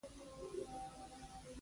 کیسه د طبعي کورنۍ ټولنیزه حافظه ده.